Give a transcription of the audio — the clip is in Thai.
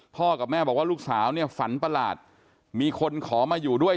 กับแม่บอกว่าลูกสาวเนี่ยฝันประหลาดมีคนขอมาอยู่ด้วย